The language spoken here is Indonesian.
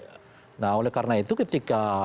kan aneh juga nah oleh karena itu ketika